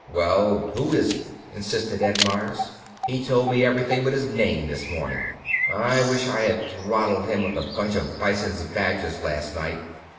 "Well, who is he?" insisted Ed Meyers. "He told me everything but his name this morning. I wish I had throttled him with a bunch of Bisons' badges last night."